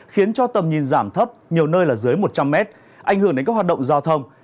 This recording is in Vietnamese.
khiến cho tầm nhìn giảm thấp nhiều nơi là dưới một trăm linh mét ảnh hưởng đến các hoạt động giao thông